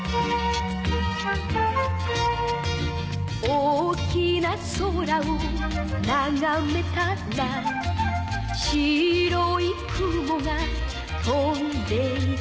「大きな空をながめたら」「白い雲が飛んでいた」